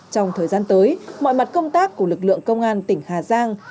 trong thời gian tới mọi mặt công tác của lực lượng công an tỉnh hà giang